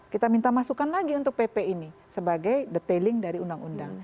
kita minta masukan lagi untuk pp ini sebagai detailing dari undang undang